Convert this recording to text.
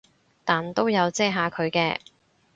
但都有遮下佢嘅